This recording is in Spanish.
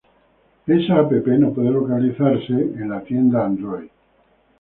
Esa app no puede localizarse en Android Market.